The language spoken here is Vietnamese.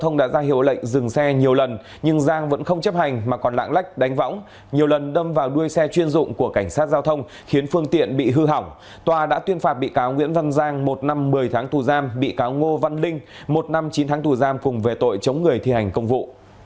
tòa tuyên phạt bị cáo nguyễn văn giang một năm một mươi tháng tù giam ngô văn linh một năm chín tháng tù giam ngô văn linh một năm chín tháng tù giam cùng về tội chống người thi hành công vụ